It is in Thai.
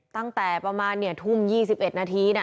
ตั้งแต่ประมาณทุ่ม๒๑นาทีนะ